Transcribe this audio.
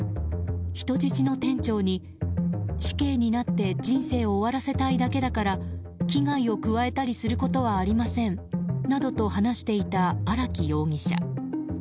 人質の店長に、死刑になって人生を終わらせたいだけだから危害を加えたりすることはありませんなどと話していた荒木容疑者。